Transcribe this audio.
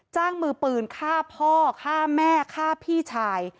จ้างมือปืนฆ่าพ่อฆ่าแม่ฆ่าพี่ชาย